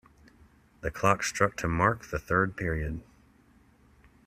The clock struck to mark the third period.